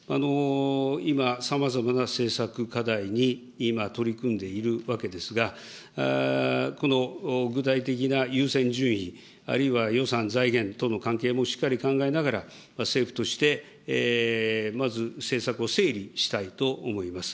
今、さまざまな政策課題に今、取り組んでいるわけですが、この具体的な優先順位、あるいは予算、財源との関係もしっかり考えながら、政府としてまず政策を整理したいと思います。